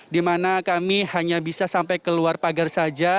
dimana kami hanya bisa sampai keluar pagar saja